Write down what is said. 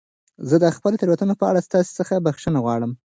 زه د خپلو تېروتنو په اړه ستاسي څخه بخښنه غواړم.